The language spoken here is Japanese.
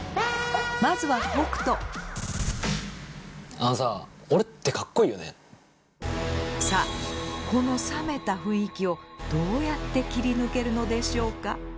あのささあこの冷めた雰囲気をどうやって切り抜けるのでしょうか。